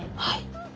はい。